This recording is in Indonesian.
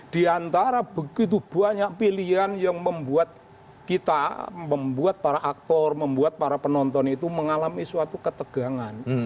di antara begitu banyak pilihan yang membuat kita membuat para aktor membuat para penonton itu mengalami suatu ketegangan